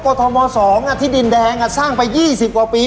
เพราะกรมรงค์๒ที่ดินแดงสร้างไป๒๐กว่าปี